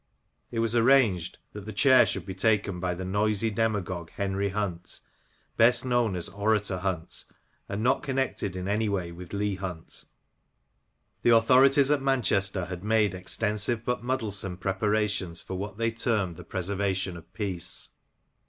It was arranged that the chair should be taken by the noisy demagogue Henry Hunt, best known as Orator Hunt, and not connected in any way with Leigh Hunt. B lo SHELLEY, ''PETERLOO;' AND The authorities at Manchester had made extensive but muddlesome preparations for what they termed the preservation of peace.